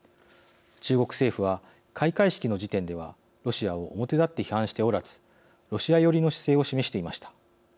中国政府は開会式の時点ではロシアを表だって批判しておらずロシア寄りの姿勢を示していました。